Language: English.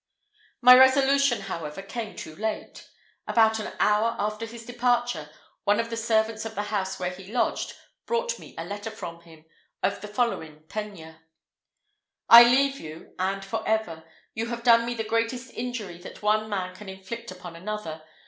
My resolution, however, came too late. About an hour after his departure, one of the servants of the house where he lodged, brought me a letter from him, of the following tenure: "I leave you, and for ever. You have done me the greatest injury that one man can inflict upon another.